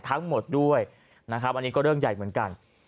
ทั้งหมดด้วยนะครับอันนี้ก็เรื่องใหญ่เหมือนกัน